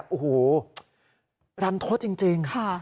โอ้โฮรันทดจริงค่ะ